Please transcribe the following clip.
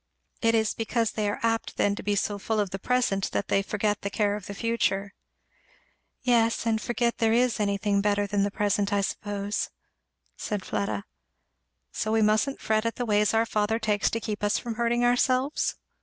"It is because they are apt then to be so full of the present that they forget the care of the future." "Yes, and forget there is anything better than the present, I suppose," said Fleda. "So we mustn't fret at the ways our Father takes to keep us from hurting ourselves?"